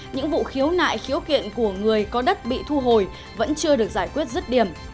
những vụ khiếu nại khiếu kiện của người có đất bị thu hồi vẫn chưa được giải quyết rứt điểm